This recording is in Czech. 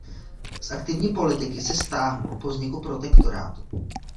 Z aktivní politiky se stáhnul po vzniku Protektorátu.